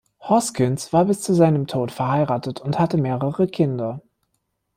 Hoskins war bis zu seinem Tod verheiratet und hatte mehrere Kinder.